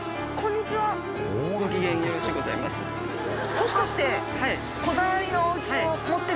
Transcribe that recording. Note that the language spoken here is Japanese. もしかして。